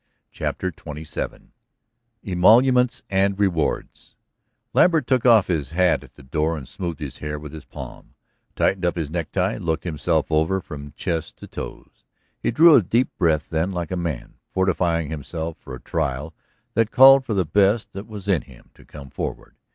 CHAPTER XXVII EMOLUMENTS AND REWARDS Lambert took off his hat at the door and smoothed his hair with his palm, tightened up his necktie, looked himself over from chest to toes. He drew a deep breath then, like a man fortifying himself for a trial that called for the best that was in him to come forward.